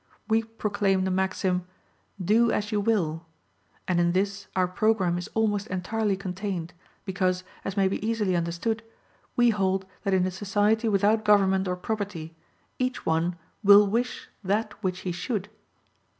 We proclaim the maxim: Do as you will; and in this our program is almost entirely contained, because, as may be easily understood, we hold that in a society without government or property, each one will wish that which he should.